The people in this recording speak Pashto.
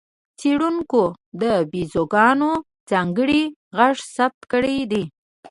څېړونکو د بیزوګانو ځانګړی غږ ثبت کړی دی.